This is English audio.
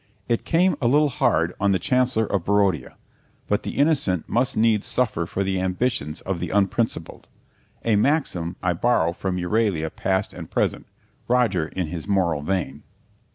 It came a little hard on the Chancellor of Barodia, but the innocent must needs suffer for the ambitions of the unprincipled a maxim I borrow from Euralia Past and Present; Roger in his moral vein.